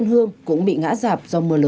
nó thúi cái hộp á